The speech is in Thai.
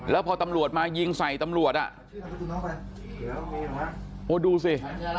แล้วพอตำรวจมายิงใส่ตำรวจอ่ะโอ้ดูสิ